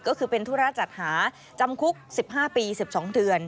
ก็คือเป็นธุระจัดหาจำคุก๑๕ปี๑๒เดือน